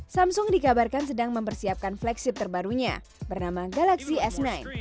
samsung dikabarkan sedang mempersiapkan flagship terbarunya bernama galaxy s sembilan